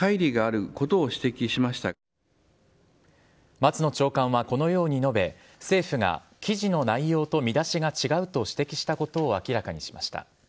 松野長官はこのように述べ政府が記事の内容と見出しが違うと指摘したことを明らかにしました。